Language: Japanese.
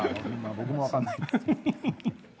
僕も分かんない。